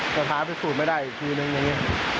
ก็ท้าพิสูจน์ไม่ได้อีกทีนึงอย่างนี้